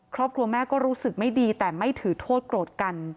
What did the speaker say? ครอบครัวแม่ก็รู้สึกไม่ดีแต่ไม่ถือโทษโกรธกัน